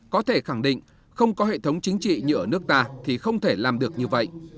có thể khẳng định không có hệ thống chính trị như ở nước ta thì không thể làm được như vậy